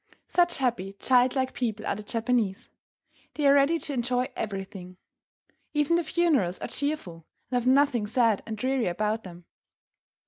Such happy, childlike people are the Japanese! They are ready to enjoy everything. Even the funerals are cheerful, and have nothing sad and dreary about them.